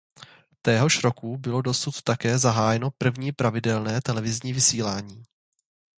Téhož roku bylo odsud také zahájeno první pravidelné televizní vysílání.